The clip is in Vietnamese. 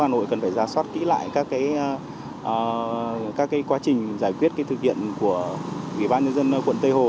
nội cần phải ra sót kỹ lại các quá trình giải quyết thực hiện của ủy ban nhân dân quận tây hồ